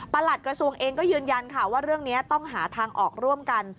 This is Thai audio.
หลัดกระทรวงเองก็ยืนยันค่ะว่าเรื่องนี้ต้องหาทางออกร่วมกัน